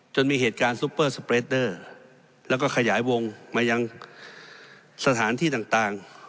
มีเหตุการณ์ซุปเปอร์สเปรดเดอร์แล้วก็ขยายวงมายังสถานที่ต่าง